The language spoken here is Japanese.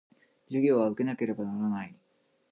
授業は受けなければならない